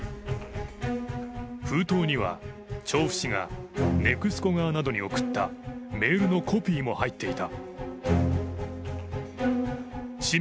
封筒には調布市がＮＥＸＣＯ側などに送ったメールのコピーも入っていた。